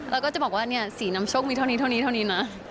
แล้วก็จะบอกว่าสีนำโชคมีเท่านี้นะ